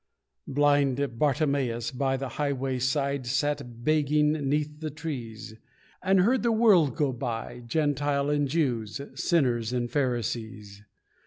Blind Bartimeus, by the highway side, Sat begging 'neath the trees, And heard the world go by, Gentiles and Jews, Sinners and Pharisees.